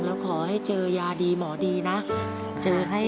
แล้วขอให้เจอยาดีหมอดีนะ